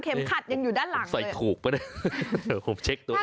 เข็มขัดยังอยู่ด้านหลังเลยใส่ขูกปะนึงผมเช็คตัวเองก่อน